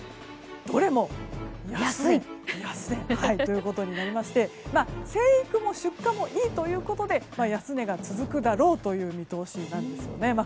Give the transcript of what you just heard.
どれも安いということになりまして生育も出荷もいいということで安値が続くだろうという見通しなんですね。